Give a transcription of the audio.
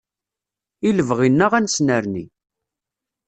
I lebɣi-nneɣ ad nessnerni.